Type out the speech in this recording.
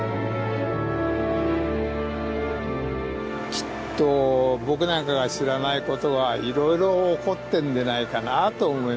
きっと僕なんかが知らないことがいろいろ起こってんでないかなあと思いますし。